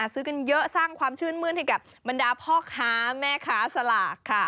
ซื้อกันเยอะสร้างความชื่นมื้นให้กับบรรดาพ่อค้าแม่ค้าสลากค่ะ